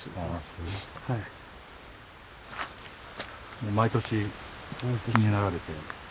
もう毎年気になられて。